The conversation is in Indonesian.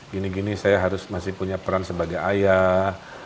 gini gini saya harus masih punya peran sebagai ayah